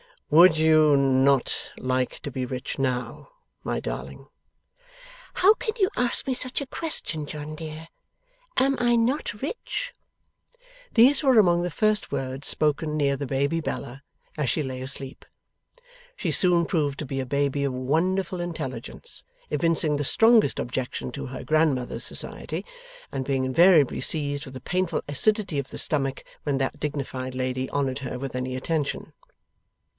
'Would you not like to be rich NOW, my darling?' 'How can you ask me such a question, John dear? Am I not rich?' These were among the first words spoken near the baby Bella as she lay asleep. She soon proved to be a baby of wonderful intelligence, evincing the strongest objection to her grandmother's society, and being invariably seized with a painful acidity of the stomach when that dignified lady honoured her with any attention.